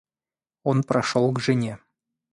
Он прошел к жене.